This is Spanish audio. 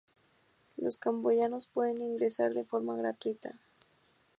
Los camboyanos pueden ingresar de forma gratuita.